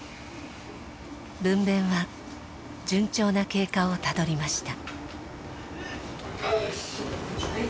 分娩は順調な経過をたどりました。